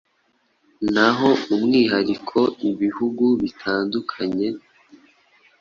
Naho umwihariko ibihugu bitandukanye